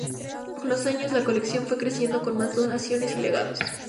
Con los años, la colección fue creciendo con más donaciones y legados.